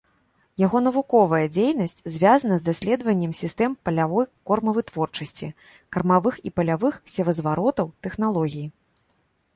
Яго навуковая дзейнасць звязана з даследаваннем сістэм палявой кормавытворчасці, кармавых і палявых севазваротаў, тэхналогій.